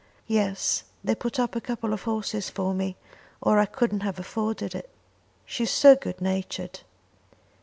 "Yes; they put up a couple of horses for me, or I couldn't have afforded it." "She is so good natured."